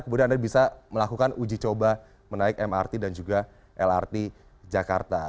kemudian anda bisa melakukan uji coba menaik mrt dan juga lrt jakarta